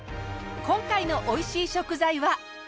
今回のおいしい食材は。